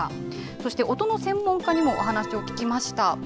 そして音の専門家にもお話を聞きました。